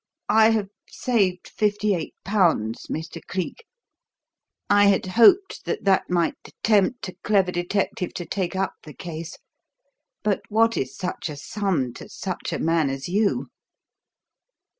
I have saved fifty eight pounds, Mr. Cleek. I had hoped that that might tempt a clever detective to take up the case; but what is such a sum to such a man as you?"